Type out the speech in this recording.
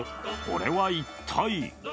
これは一体？